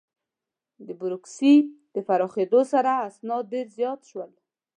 د بروکراسي د پراخېدو سره، اسناد ډېر زیات شول.